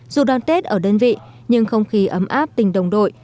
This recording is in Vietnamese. dù đón tết ở đơn vị nhưng không khí ấm áp tình đồng đội